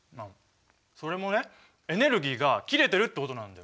それもねエネルギーが切れてるってことなんだよ。